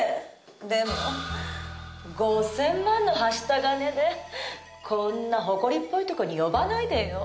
でも５０００万のはした金でこんなホコリっぽいとこに呼ばないでよ。